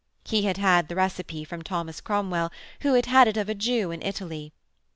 He had had the receipt from Thomas Cromwell, who had had it of a Jew in Italy.